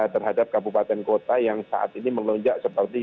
terhadap kabupaten kota yang saat ini melonjak seperti